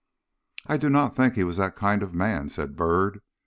"I do not think he was that kind of a man," said Byrd.